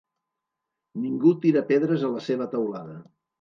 Ningú tira pedres a la seva teulada.